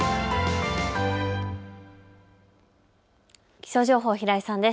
気象情報、平井さんです。